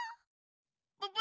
ププ！